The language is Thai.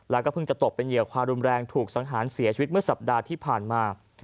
แล้วก็เพิ่งจะตกเป็นเหยื่อความรุนแรงถูกสังหารเสียชีวิตเมื่อสัปดาห์ที่ผ่านมา